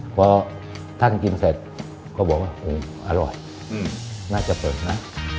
พอท่านกินเสร็จก็บอกว่าอร่อยน่าจะเปิดนะ